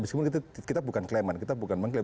meskipun kita bukan klaiman kita bukan mengklaim